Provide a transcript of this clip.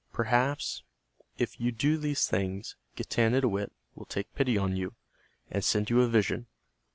Perhaps if you do these things Getanittowit will take pity on you, and send you a vision.